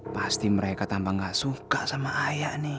pasti mereka tampak gak suka sama ayah nih